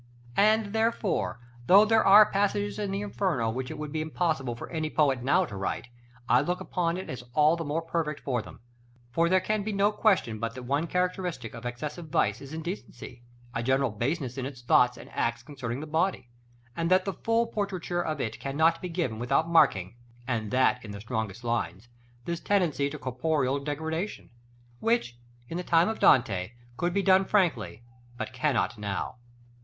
And, therefore, though there are passages in the "Inferno" which it would be impossible for any poet now to write, I look upon it as all the more perfect for them. For there can be no question but that one characteristic of excessive vice is indecency, a general baseness in its thoughts and acts concerning the body, and that the full portraiture of it cannot be given without marking, and that in the strongest lines, this tendency to corporeal degradation; which, in the time of Dante, could be done frankly, but cannot now.